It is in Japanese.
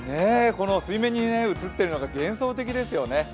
水面に映っているのが幻想的ですよね。